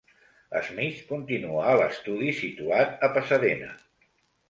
Smith continua a l'estudi situat a Pasadena.